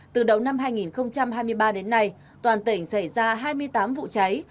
từ đầu năm hai nghìn hai mươi ba đến nay toàn tỉnh xảy ra hai mươi tám vụ cháy